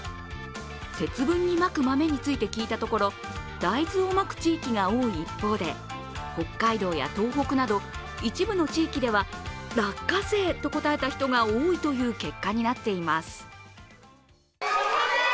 節分にまく豆について聞いたところ大豆をまく地域が多い一方で北海道や東北など、一部の地域では落花生と答えた人が多いという結果になっています。